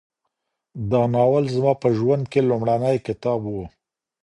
دا ناول زما په ژوند کي لومړنی کتاب و.